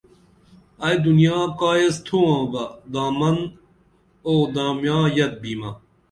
ائی دنیا کا ایس تُھمہ بہ دامن اُو دامیاں یت بِمہ